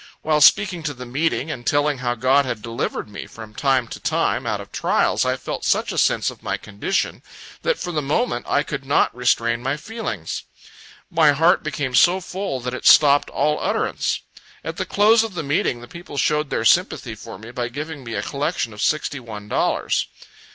While speaking to the meeting, and telling how God had delivered me from time to time out of trials, I felt such a sense of my condition, that for the moment I could not restrain my feelings my heart became so full, that it stopped all utterance. At the close of the meeting, the people showed their sympathy for me by giving me a collection of sixty one dollars.